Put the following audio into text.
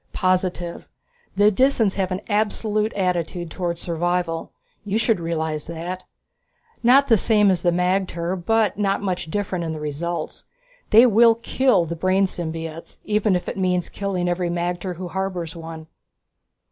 "Positive. The Disans have an absolute attitude towards survival; you should realize that. Not the same as the magter, but not much different in the results. They will kill the brain symbiotes, even if it means killing every magter who harbors one."